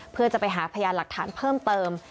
เพื่อจะไปหาพยานหลักฐานเพิ่มเติม